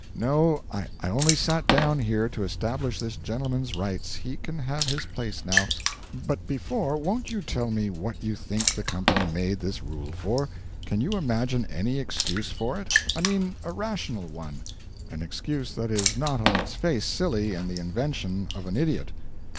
'No, I only sat down here to establish this gentleman's rights he can have his place now. But before you go won't you tell me what you think the company made this rule for? Can you imagine an excuse for it? I mean a rational one an excuse that is not on its face silly, and the invention of an idiot?'